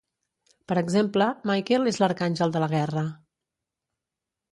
Per exemple, Michael és l'arcàngel de la guerra.